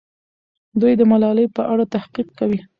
دوی د ملالۍ په اړه تحقیق کوي.